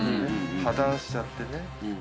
破断しちゃってね。